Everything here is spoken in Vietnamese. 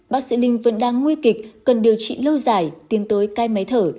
bác sĩ linh vẫn đang nguy kịch cần điều trị lâu dài tiến tới cai máy thở